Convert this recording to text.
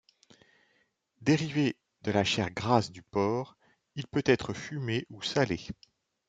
Dérivé de la chair grasse du porc, il peut être fumé ou salé.